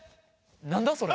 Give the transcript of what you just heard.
何だそれ。